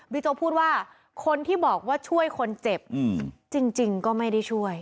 บิ๊โจ้บพูดว่าคนที่บอกว่าช่วยคนเจ็บอืมจริงจริงก็ไม่ได้ช่วย